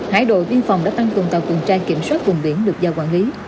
hải đội biên phòng đã tăng cường tàu tuần tra kiểm soát vùng biển được giao quản lý